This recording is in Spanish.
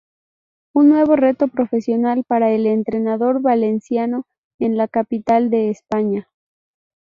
Un nuevo reto profesional para el entrenador valenciano en la capital de España.